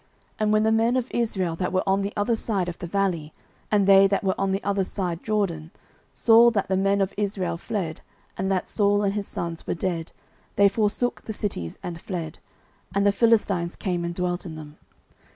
09:031:007 And when the men of Israel that were on the other side of the valley, and they that were on the other side Jordan, saw that the men of Israel fled, and that Saul and his sons were dead, they forsook the cities, and fled; and the Philistines came and dwelt in them.